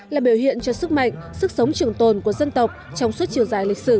là biểu hiện cho sức mạnh sức sống trường tồn của dân tộc trong suốt chiều dài lịch sử